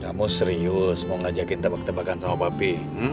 kamu serius mau ngajakin tebak tebakan sama bapi